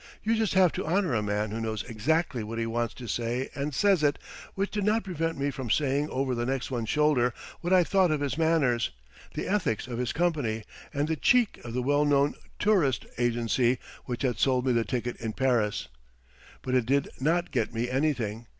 You just have to honor a man who knows exactly what he wants to say and says it, which did not prevent me from saying over the next one's shoulder what I thought of his manners, the ethics of his company, and the cheek of the well known tourist agency which had sold me the ticket in Paris. But it did not get me anything.